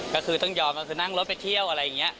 ก็คือต้องยอมก็คือนั่งรถไปเที่ยวอะไรอย่างนี้